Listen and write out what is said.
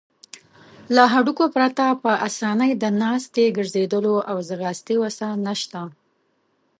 له هډوکو پرته په آسانۍ د ناستې، ګرځیدلو او ځغاستې وسه نشته.